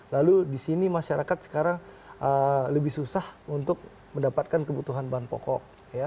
lalu di sini masyarakat sekarang lebih susah untuk mendapatkan kebutuhan bahan pokok